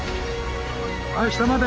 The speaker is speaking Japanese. はい下まで。